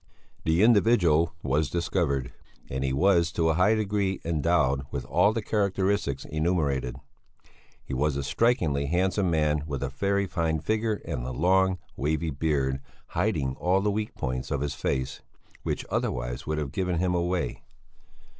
The individual was discovered, and he was to a high degree endowed with all the characteristics enumerated. He was a strikingly handsome man with a fairly fine figure and a long, wavy beard, hiding all the weak points of his face, which otherwise would have given him away.